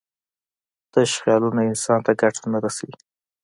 تش خیالونه انسان ته ګټه نه رسوي.